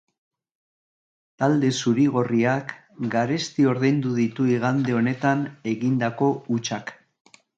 Talde zuri-gorriak garesti ordaindu ditu igande honetan egindako hutsak.